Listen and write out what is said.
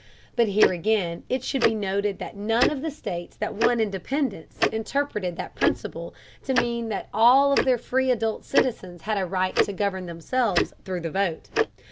But here again it should be noted that none of the states that won independence interpreted that principle to mean that all of their free adult citizens had a right to govern themselves through the vote.